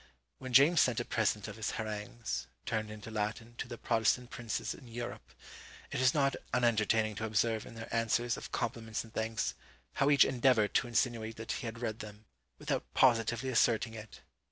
When James sent a present of his harangues, turned into Latin, to the Protestant princes in Europe, it is not unentertaining to observe in their answers of compliments and thanks, how each endeavoured to insinuate that he had read them, without positively asserting it!